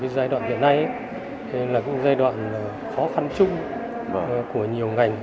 giai đoạn hiện nay là giai đoạn khó khăn chung của nhiều ngành